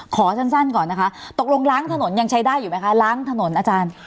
ขอสั้นก่อนนะคะตกลงล้างถนนยังใช้ได้อยู่ไหมคะล้างถนนอาจารย์